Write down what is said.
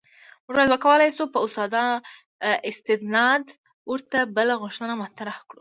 موږ باید وکولای شو په استناد ورته بله غوښتنه مطرح کړو.